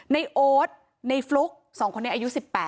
ในโอ๊ทในฟลุกสองคนนี้อายุ๑๘